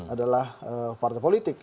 adalah partai politik